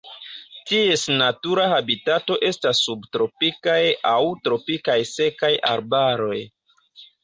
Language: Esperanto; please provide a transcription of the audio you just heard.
Ties natura habitato estas subtropikaj aŭ tropikaj sekaj arbaroj.